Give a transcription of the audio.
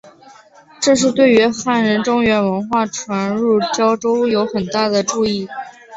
这对于汉人中原文化传入交州有很大的助益。